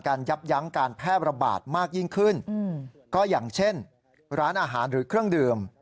ยับยั้งการแพร่ระบาดมากยิ่งขึ้นก็อย่างเช่นร้านอาหารหรือเครื่องดื่ม